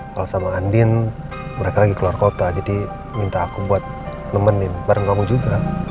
kalau sama andin mereka lagi keluar kota jadi minta aku buat nemenin bareng kamu juga